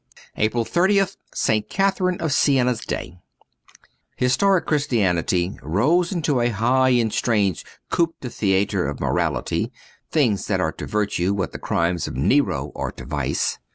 '* 129 APRIL 30th ST. CATHERINE OF SIENA'S DAY HISTORIC Christianity rose into a high and strange coup de theatre of morality — things that are to virtue what the crimes of Nero are to vice.